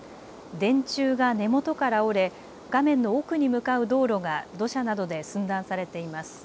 電柱が根元から折れ画面の奥に向かう道路が土砂などで寸断されています。